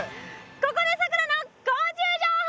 ここでさくらの昆虫情報！